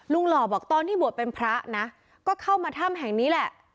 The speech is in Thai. หล่อบอกตอนที่บวชเป็นพระนะก็เข้ามาถ้ำแห่งนี้แหละ